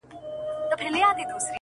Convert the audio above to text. زه دي د دريم ژوند پر زوال ږغېږم!!